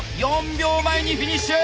４秒前にフィニッシュ！